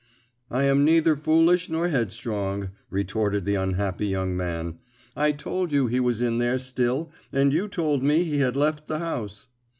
"I am neither foolish nor headstrong," retorted the unhappy young man. "I told you he was in there still, and you told me he had left the house."